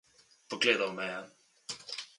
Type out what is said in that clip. Pogledal me je.